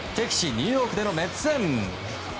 ニューヨークでのメッツ戦。